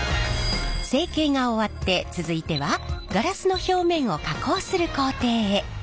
成形が終わって続いてはガラスの表面を加工する工程へ。